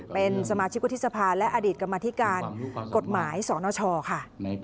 เป็นสมาชิกวุฒิสภาและอดีตกรรมธิการกฎหมายสนชค่ะ